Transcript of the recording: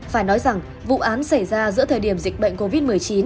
phải nói rằng vụ án xảy ra giữa thời điểm dịch bệnh covid một mươi chín